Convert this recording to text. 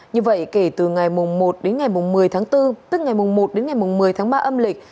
như vậy kể từ ngày mùng một đến ngày mùng một mươi tháng bốn tức ngày mùng một đến ngày mùng một mươi tháng ba âm lịch